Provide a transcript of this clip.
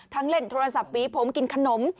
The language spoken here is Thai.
เล่นโทรศัพท์ปีผมกินขนม